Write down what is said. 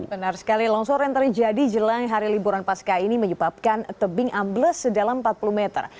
benar sekali longsor yang terjadi jelang hari liburan pasca ini menyebabkan tebing ambles sedalam empat puluh meter